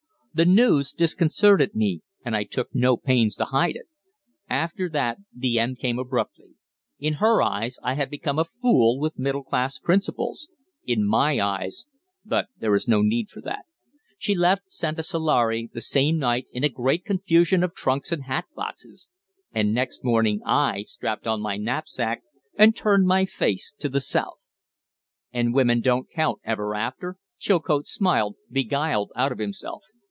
"The news disconcerted me, and I took no pains to hide it. After that the end came abruptly. In her eyes I had become a fool with middle class principles; in my eyes But there is no need for that. She left Santasalare the same night in a great confusion of trunks and hat boxes; and next morning I strapped on my knapsack and turned my face to the south." "And women don't count ever after?" Chilcote smiled, beguiled out of himself.